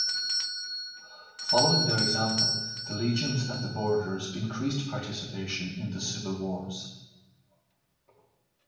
Following their example, the legions at the borders increased participation in the civil wars.